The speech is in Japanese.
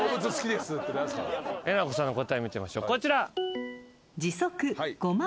えなこさんの答え見てみましょうこちら。